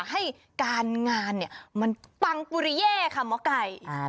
ให้การงานมันปังปุริเย่ค่ะหมอไก่